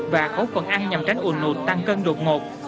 và có phần ăn nhằm tránh unut tăng cân đột ngột